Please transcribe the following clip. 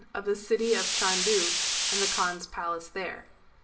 Of the City of Chandu, and the Kaan's Palace there.